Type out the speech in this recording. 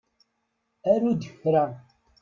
Aru-d kra!